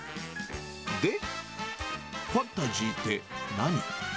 で、ファンタジーって何？